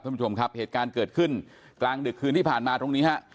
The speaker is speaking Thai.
ท่านผู้ชมครับเหตุการณ์เกิดขึ้นกลางดึกคืนที่ผ่านมาตรงนี้ฮะ